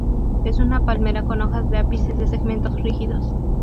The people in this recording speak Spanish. Es una palmera con hojas de ápices de segmentos rígidos.